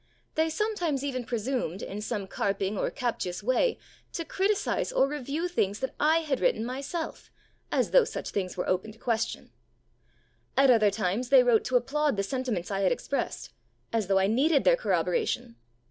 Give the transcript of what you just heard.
They sometimes even presumed, in some carping or captious way, to criticize or review things that I had myself written as though such things were open to question! At other times they wrote to applaud the sentiments I had expressed as though I needed their corroboration!